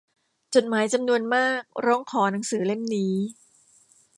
จดหมายจำนวนมากร้องขอหนังสือเล่มนี้